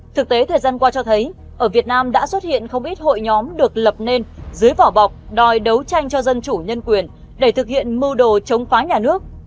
thực tế thời gian qua cho thấy ở việt nam đã xuất hiện không ít hội nhóm được lập nên dưới vỏ bọc đòi đấu tranh cho dân chủ nhân quyền để thực hiện mưu đồ chống phá nhà nước